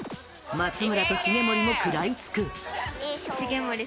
松村と重盛も食らいつく。